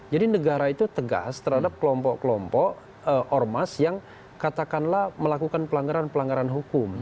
jadi negara itu tegas terhadap kelompok kelompok ormas yang katakanlah melakukan pelanggaran pelanggaran hukum